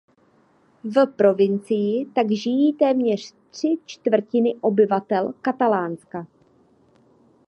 V provincii tak žijí téměř tři čtvrtiny obyvatel Katalánska.